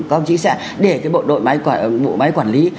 các đồng chí sẽ để cái bộ đội máy quản lý